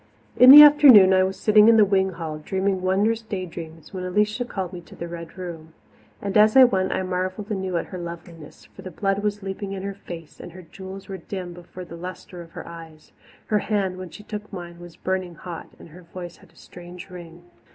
In the afternoon I was sitting in the wing hall, dreaming wondrous day dreams, when Alicia called me to the Red Room. And as I went, I marvelled anew at her loveliness, for the blood was leaping in her face and her jewels were dim before the lustre of her eyes. Her hand, when she took mine, was burning hot, and her voice had a strange ring.